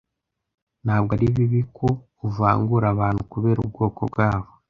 Ntabwo ari bibi ko uvangura abantu kubera ubwoko bwabo.